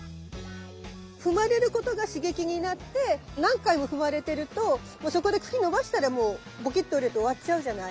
踏まれることが刺激になって何回も踏まれてるとそこで茎伸ばしたらもうボキッと折れて終わっちゃうじゃない？